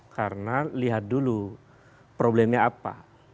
karena lihat dulu problemnya apa